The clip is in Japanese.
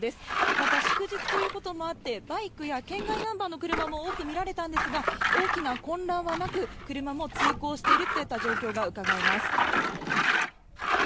また祝日ということもあって、バイクや県外ナンバーの車も多く見られたんですが、大きな混乱はなく、車も通行しているといった状況がうかがえます。